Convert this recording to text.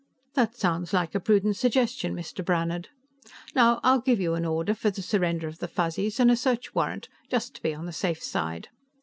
"That sounds like a prudent suggestion, Mr. Brannhard. Now, I'll give you an order for the surrender of the Fuzzies, and a search warrant, just to be on the safe side.